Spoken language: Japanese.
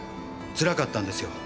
つらかったんですよ。